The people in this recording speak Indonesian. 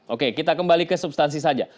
oke kita kembali ke substansi saja